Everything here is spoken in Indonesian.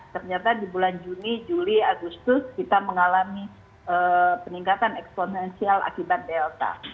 ternyata di bulan juni juli agustus kita mengalami peningkatan eksponensial akibat delta